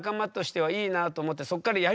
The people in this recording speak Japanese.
はい。